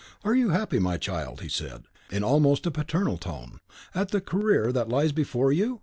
"Are you happy, my child," he said, in almost a paternal tone, "at the career that lies before you?